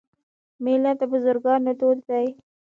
میله د بزګرانو دود دی.